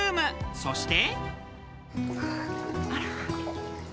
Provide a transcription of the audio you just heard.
そして。